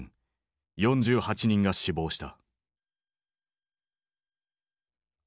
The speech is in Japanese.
４８人が死亡した。